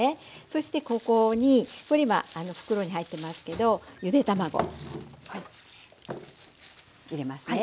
そしてここにこれ今袋に入ってますけどゆで卵入れますね。